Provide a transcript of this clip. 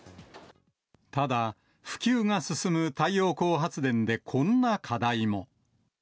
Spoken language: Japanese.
ただ、普及が進む太陽光発電でこんな課題も。